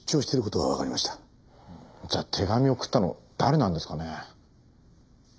じゃあ手紙を送ったの誰なんですかね？